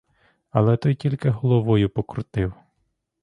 Але той тільки головою покрутив.